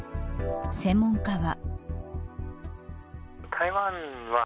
専門家は。